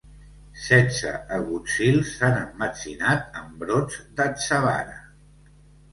Setze agutzils s'han emmetzinat amb brots d'atzavara.